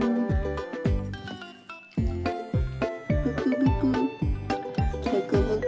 ブクブク。